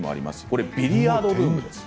これはビリヤードルームです。